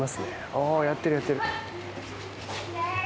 おー、やってるやってる。